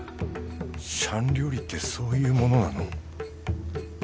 シャン料理ってそういうものなの？